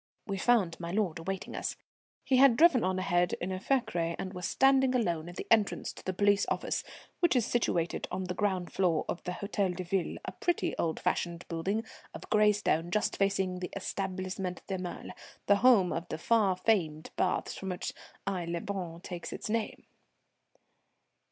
We found my lord awaiting us. He had driven on ahead in a fiacre and was standing alone at the entrance to the police office, which is situated on the ground floor of the Hôtel de Ville, a pretty old fashioned building of gray stone just facing the Etablissement Thermale, the home of the far famed baths from which Aix les Bains takes its name.